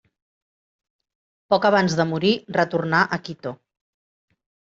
Poc abans de morir retornà a Quito.